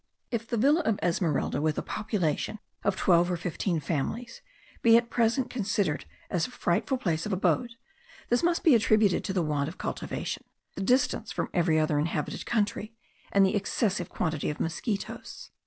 If the villa of Esmeralda, with a population of twelve or fifteen families, be at present considered as a frightful place of abode, this must be attributed to the want of cultivation, the distance from every other inhabited country, and the excessive quantity of mosquitos.